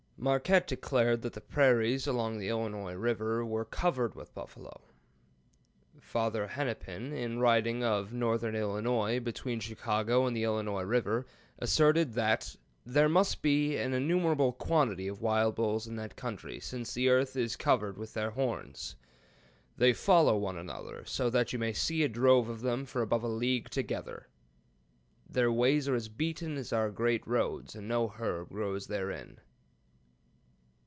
Marquette declared that the prairies along the Illinois River were "covered with buffaloes." Father Hennepin, in writing of northern Illinois, between Chicago and the Illinois River, asserted that "there must be an innumerable quantity of wild bulls in that country, since the earth is covered with their horns. They follow one another, so that you may see a drove of them for above a league together. Their ways are as beaten as our great roads, and no herb grows therein."